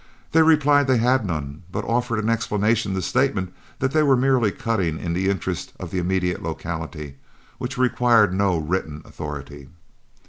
They replied that they had none, but offered in explanation the statement that they were merely cutting in the interest of the immediate locality, which required no written authority.